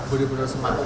budi bener semangat